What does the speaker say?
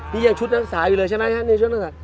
พี่ยังชุดนักศึกษาอยู่เลยใช่ไหมครับ